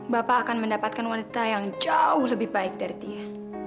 bapak akan mendapatkan wanita yang jauh lebih baik dari dia